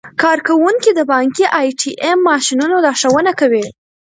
کارکوونکي د بانکي ای ټي ایم ماشینونو لارښوونه کوي.